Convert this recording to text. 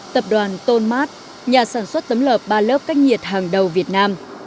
tập đoàn ton mát nhà sản xuất tấm lợp ba lớp cách nhiệt hàng đầu việt nam